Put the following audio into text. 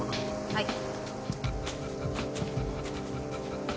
はい。